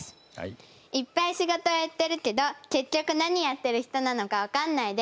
いっぱい仕事をやってるけど結局何やってる人なのか分かんないです。